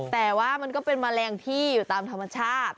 แต่ว่ามันก็เป็นแมลงที่อยู่ตามธรรมชาติ